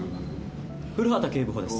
古畑警部補です。